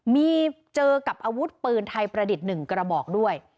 มีเจอกับอาวุธปืนไทยประดิษฐ์๑กระบอกด้วย